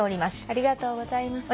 ありがとうございます。